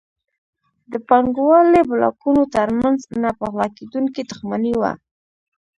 د پانګوالۍ بلاکونو ترمنځ نه پخلاکېدونکې دښمني وه.